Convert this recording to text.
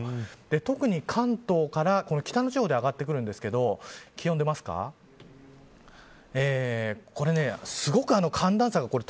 特に関東から北の地方で上がってくるんですがすごく、寒暖差があります。